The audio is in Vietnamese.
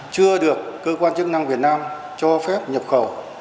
chưa được cơ quan chức năng việt nam cho phép nhập khẩu